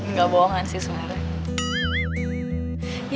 nggak bohongan sih sebenarnya